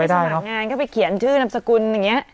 ที่ไปสมัครงานก็ไปเขียนชื่อนับสกุลอย่างนี้